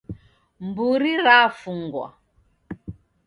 Mburi rafungwa